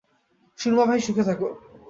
সুরমা ভাই সুখে থাকো।